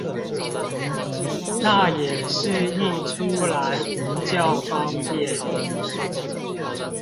那也是印出來比較方便